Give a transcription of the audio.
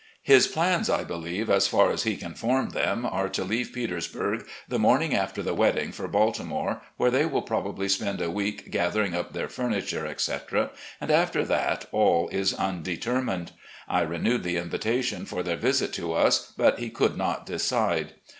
His plans, I believe, as far as he can form them, are to leave Petersburg the morning after the wedding for Baltimore, where they will probably spend a week gathering up their furniture, etc., and after that all is tmdetermined. I renewed the invitation for their visit to us, but he could not decide.